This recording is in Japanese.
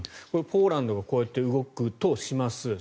ポーランドがこうやって動くとします。